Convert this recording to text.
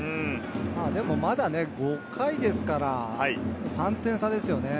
でもまだ５回ですから、３点差ですよね。